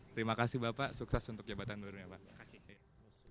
terima kasih bapak sukses untuk jabatan berubah